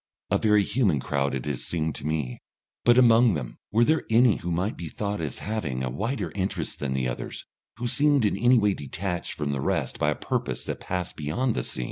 A very human crowd it has seemed to me. But among them were there any who might be thought of as having a wider interest than the others, who seemed in any way detached from the rest by a purpose that passed beyond the seen?